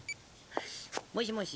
もしもし。